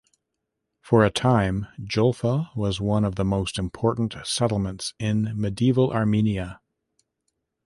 For a time, Julfa was one of the most important settlements in medieval Armenia.